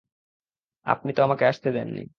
আপনি তো আমাকে আসতে দেননি।